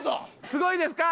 すごいですか？